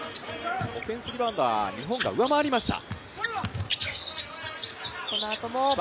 オフェンスリバウンドは日本が上回りました。